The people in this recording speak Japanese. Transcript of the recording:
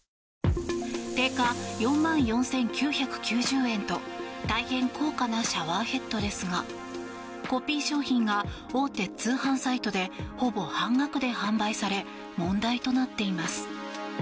定価４万４９９０円と大変高価なシャワーヘッドですがコピー商品が大手通販サイトでほぼ半額で販売され問題となっています。